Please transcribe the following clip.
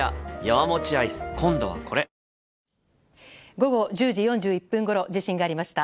午後１０時４１分ごろ地震がありました。